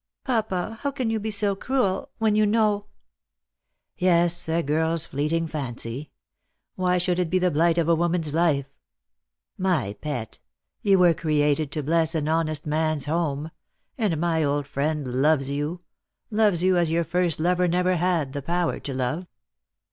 " Papa, how can you be so cruel, when you know "" Yes, a girl's fleeting fancy. Why should it be the blight of a woman's life P My pet, you were created to bless an honest man's home ; and my old friend loves you — loves you as your first lover never had the power to love."